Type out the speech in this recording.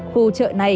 khu chợ này